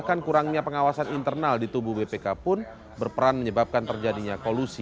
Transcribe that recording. dan kurangnya pengawasan internal di tubuh bpk pun berperan menyebabkan terjadinya kolusi